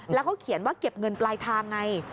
แล้วเขาเขียนว่าเก็บเงินปลายทางไง